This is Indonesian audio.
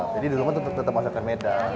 jadi di rumah tetap masakan medan